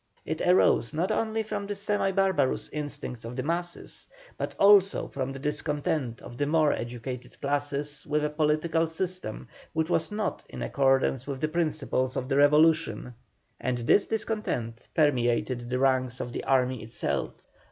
It arose not only from the semi barbarous instincts of the masses, but also from the discontent of the more educated classes with a political system which was not in accordance with the principles of the Revolution, and this discontent permeated the ranks of the army itself.